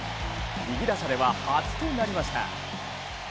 右打者では初となりました。